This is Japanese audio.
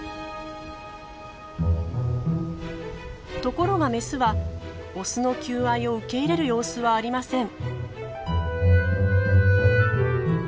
ところがメスはオスの求愛を受け入れる様子はありません。